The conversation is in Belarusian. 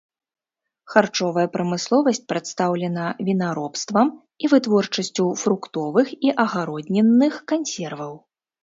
Харчовая прамысловасць прадстаўлена вінаробствам і вытворчасцю фруктовых і агароднінных кансерваў.